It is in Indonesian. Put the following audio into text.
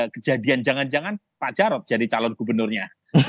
kejadian jangan jangan pak jarod jadi calon gubernurnya